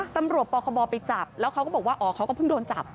ปคบไปจับแล้วเขาก็บอกว่าอ๋อเขาก็เพิ่งโดนจับ